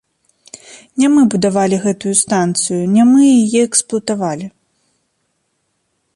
Не мы будавалі гэтую станцыю, не мы яе эксплуатавалі.